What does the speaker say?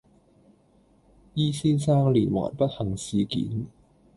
E 先生連環不幸事件